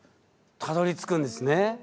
たどりつくんですね。